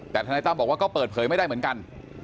แต่ทนายตั้มบอกว่าก็เปิดเผยไม่ได้เหมือนกัน